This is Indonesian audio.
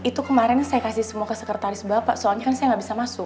tapi itu kemarin saya kasih semua ke sekretaris bapak soalnya saya bisa masuk